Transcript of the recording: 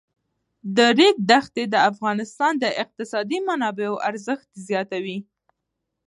د ریګ دښتې د افغانستان د اقتصادي منابعو ارزښت زیاتوي.